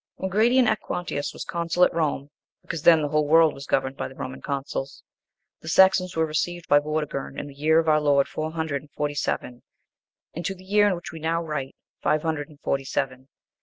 When Gratian Aequantius was consul at rome, because then the whole world was governed by the Roman consuls, the Saxons were received by Vortigern in the year of our Lord four hundred and forty seven, and to the year in which we now write, five hundred and forty seven.